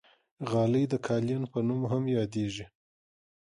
غالۍ د قالین په نوم هم یادېږي.